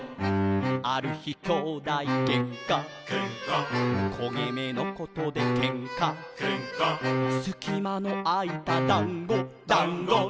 「ある日兄弟げんか」「けんか」「こげ目のことでけんか」「けんか」「すきまのあいただんご」「だんご」